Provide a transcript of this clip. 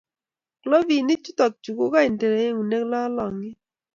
Glovinik chutok chuu ko kainde eunek lalngiet